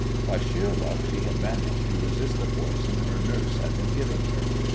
By sheer luck she had managed to resist the poison her "nurse" had been giving her.